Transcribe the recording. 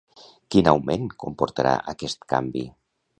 Quin augment comportarà aquest canvi?